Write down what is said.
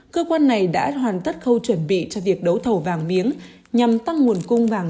cơ quan này đã hoàn tất khâu chuẩn bị cho việc đấu thầu vàng miếng nhằm tăng nguồn cung vàng